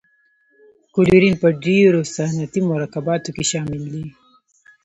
کلورین په ډیرو صنعتي مرکباتو کې شامل دی.